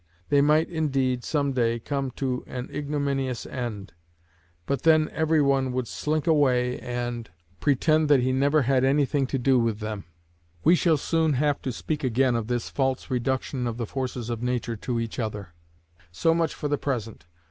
They might indeed, some day, come to an ignominious end; but then every one would slink away and pretend that he never had anything to do with them. We shall soon have to speak again of this false reduction of the forces of nature to each other; so much for the present.